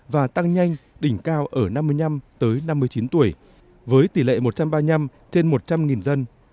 và tăng nhanh đỉnh cao ở năm mươi năm tới năm mươi chín tuổi với tỷ lệ một trăm ba mươi năm trên một trăm linh dân